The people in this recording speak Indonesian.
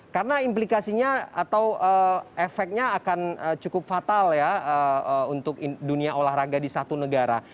karena implikasinya atau efeknya akan cukup fatal ya untuk dunia olahraga di satu negara